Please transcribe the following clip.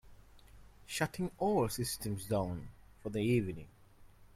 Shutting all systems down for the evening.